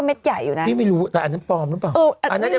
เม็ดใหญ่อยู่น่ะพี่ไม่รู้แต่อันนั้นปลอมหรือเปล่าเอออันนั้น